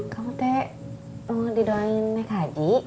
kamu teh mau didoain nek haji